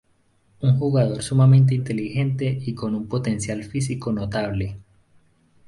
Un jugador sumamente inteligente y con un potencial físico notable.